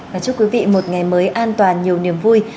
và chúc quý vị một ngày mới an toàn nhiều niềm vui